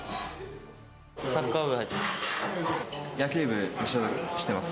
サッカー部入ってます。